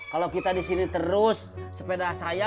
kalau kita disini terus sepeda saya